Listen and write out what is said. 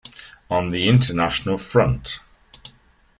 On the international front.